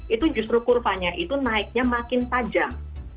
itu justru kurvanya itu naiknya makin tajam